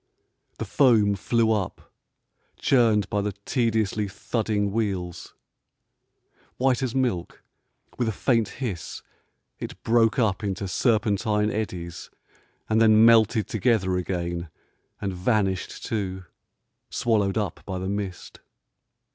The foam flew up, churned by the tediously thudding wheels ; white as milk, with a faint hiss it broke up into serpentine eddies, and then melted together again and vanished too, swallowed up by the mist.